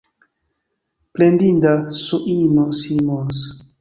Plendinda S-ino Simons!